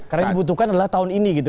karena dibutuhkan adalah tahun ini gitu